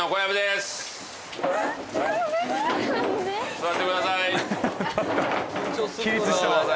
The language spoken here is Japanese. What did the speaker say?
座ってください